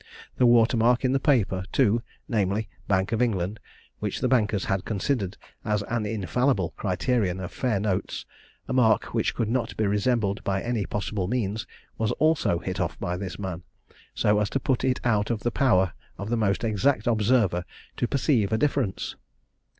The water mark in the paper, too, namely, "Bank of England," which the bankers had considered as an infallible criterion of fair notes, a mark which could not be resembled by any possible means, was also hit off by this man, so as to put it out of the power of the most exact observer to perceive a difference.